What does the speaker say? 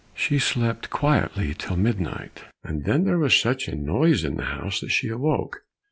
She slept quietly till midnight, and then there was such a noise in the house that she awoke.